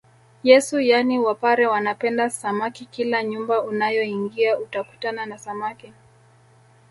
Yesu yaani wapare wanapenda samaki kila nyumba unayoingia utakutana na samaki